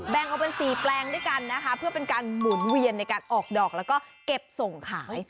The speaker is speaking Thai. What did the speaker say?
งออกเป็น๔แปลงด้วยกันนะคะเพื่อเป็นการหมุนเวียนในการออกดอกแล้วก็เก็บส่งขาย